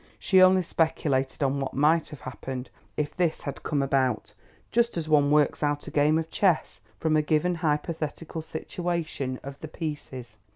She only speculated on what might have happened if this had come about, just as one works out a game of chess from a given hypothetical situation of the pieces.